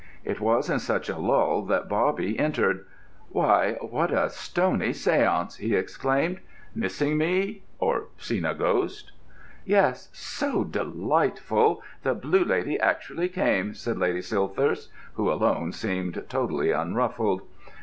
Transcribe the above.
It was in such a lull that Bobby entered. "Why, what a stony séance!" he exclaimed. "Missing me? or seen a ghost?" "Yes—so delightful! The Blue Lady actually came," said Lady Silthirsk, who alone seemed totally unruffled.